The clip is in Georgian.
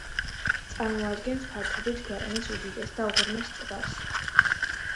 წარმოადგენს ფართობით ქვეყნის უდიდეს და უღრმეს ტბას.